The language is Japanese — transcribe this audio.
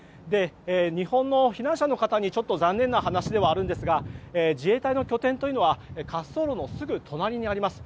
日本の避難者の方に残念な話ではあるんですが自衛隊の拠点というのは滑走路のすぐ隣にあります。